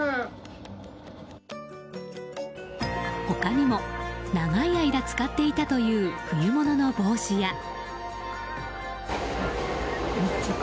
他にも、長い間使っていたという冬物の帽子や。